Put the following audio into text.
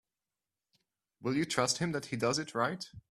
Will you trust him that he does it right?